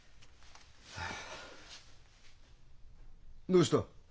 どうした？